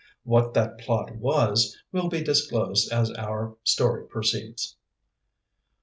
What that plot was will be disclosed as our story proceeds.